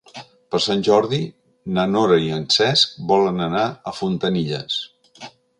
Per Sant Jordi na Nora i en Cesc volen anar a Fontanilles.